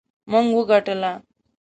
موږ وګټله